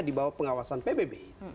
di bawah pengawasan pbb